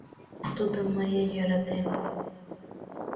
Тудым мые йӧратем.